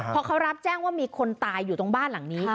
พอเขารับแจ้งว่ามีคนตายอยู่ตรงบ้านหลังนี้